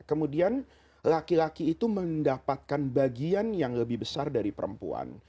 kemudian laki laki itu mendapatkan bagian yang lebih besar dari perempuan